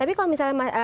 tapi kalau misalnya